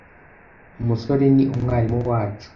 umusore ni umwarimu wacu.